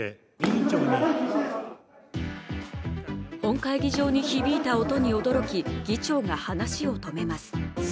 本会議場に響いた音に驚き議長が話を止めます。